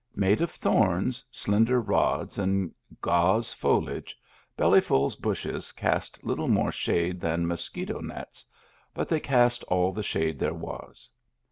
Made of thorns, slender rods, and gauze foliage, Belly ful's bushes cast little more shade than mosquito nets, but they cast all the shade there was.